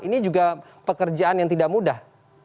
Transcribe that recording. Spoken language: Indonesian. ini juga pekerjaan yang tidak mudah